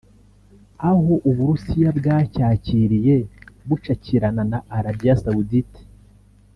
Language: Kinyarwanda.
aho u Burusiya bwacyakiriye bucakirana na Arabie Saoudite